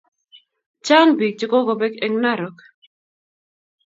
Chang pik che kokobek en Narok